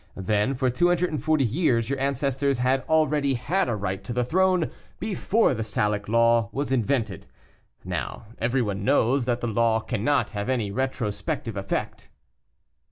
Then, for 240 years your ancestors had already had a right to the throne before the Salic law was invented. Now, everyone knows that the law cannot have any retrospective effect."